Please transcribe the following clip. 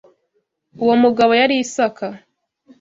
Uwo mugabo yari Isaka